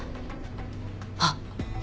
あっ。